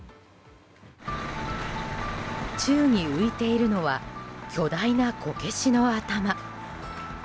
宙に浮いているのは巨大なこけしの頭。